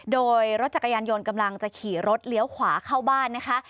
โดยรถจักรยานยนต์กำลังจะขี่รถเลี้ยวขวาเข้าบ้านนะคะ